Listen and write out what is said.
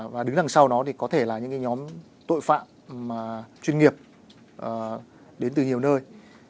và đứng đằng sau đó thì có thể là những nhóm tội phạm chuyên nghiệp đến từ nhiều nơi